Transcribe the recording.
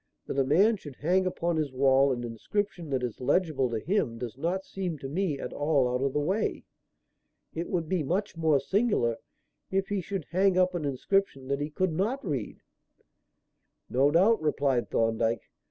"That a man should hang upon his wall an inscription that is legible to him does not seem to me at all out of the way. It would be much more singular if he should hang up an inscription that he could not read." "No doubt," replied Thorndyke.